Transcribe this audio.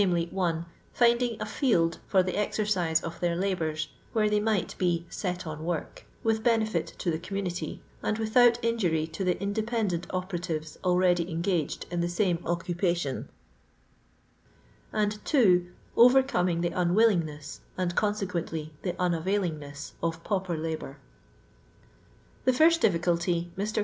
(1) finding a field for uie exercise of their labours where they might be ''set on work " with beoefit to the community, and without in jury to the independent operatives already en gaged in the same occupation; and (^ overcoming the uawiUingBess, and consequently the unavoU ingneas, of pauper labour. The first difficulty tfr.